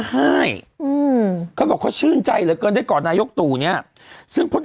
ให้อืมเขาบอกเขาชื่นใจเหลือเกินได้ก่อนนายกตู่เนี้ยซึ่งพล